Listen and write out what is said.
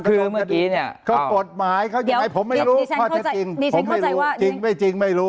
เพราะคงของกฎหมายผมไม่รู้ก็ไปจัดจริงจริงไม่รู้